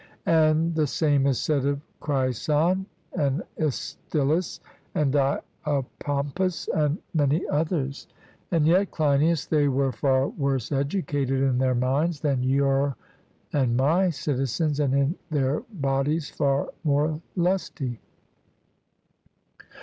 And the same is said of Crison and Astylus and Diopompus and many others; and yet, Cleinias, they were far worse educated in their minds than your and my citizens, and in their bodies far more lusty.